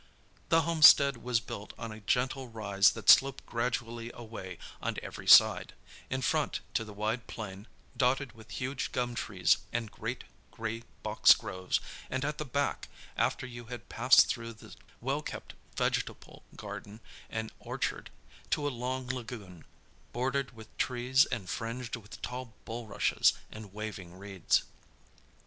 The homestead was built on a gentle rise that sloped gradually away on every side; in front to the wide plain, dotted with huge gum trees and great grey box groves, and at the back, after you had passed through the well kept vegetable garden and orchard, to a long lagoon, bordered with trees and fringed with tall bulrushes and waving reeds.